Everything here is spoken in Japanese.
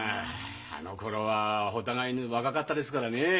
あああのころはお互いに若かったですからねえ。